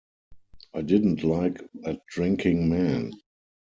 I didn't like that drinking man.